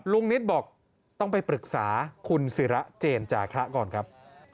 นิตบอกต้องไปปรึกษาคุณศิระเจนจาคะก่อนครับ